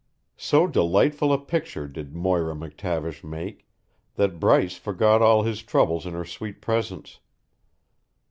So delightful a picture did Moira McTavish make that Bryce forgot all his troubles in her sweet presence.